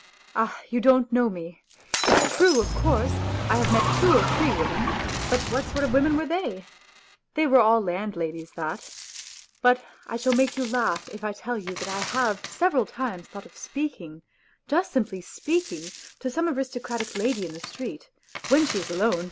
Ah, you don't know me ! It's true, of course, I have met two or three 8 women, but what sort of women were they ? They were all land ladies, that ... But I shall make you laugh if I tell you that I have several times thought of speaking, just simply speaking, to some aristocratic lady in the street, when she is alone